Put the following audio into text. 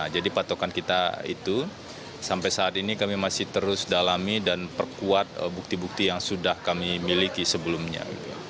jadi patokan kita itu sampai saat ini kami masih terus dalami dan perkuat bukti bukti yang sudah kami miliki sebelumnya